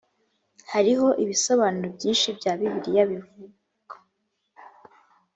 hariho ibisobanuro byinshi bya bibiliya bivugu